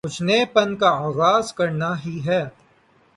کچھ نئے پن کا آغاز کرنا ہی ہے۔